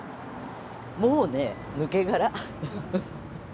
もうね抜け殻。